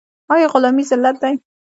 آیا غلامي ذلت دی؟